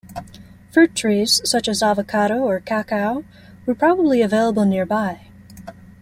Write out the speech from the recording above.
Fruit trees, such as avocado or cacao, were probably available nearby.